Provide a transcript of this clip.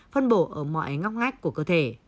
phân bổ ở mọi ngóc ngách của cơ thể